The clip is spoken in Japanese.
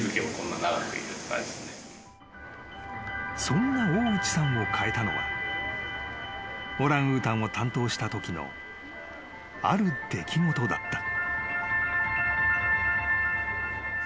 ［そんな大内さんを変えたのはオランウータンを担当したときのある出来事だった］